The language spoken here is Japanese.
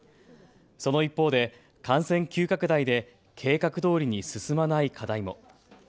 その一方で感染急拡大で計画どおりに進まない課題も。